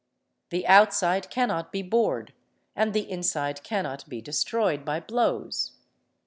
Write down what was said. The outside cannot be bored and the inside cannot be destroyed by blows.